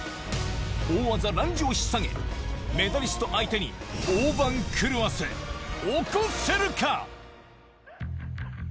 大技ランジをひっ提げ、メダリスト相手に大番狂わせ起こせるか。